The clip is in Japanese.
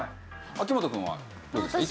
秋元くんはどうですか？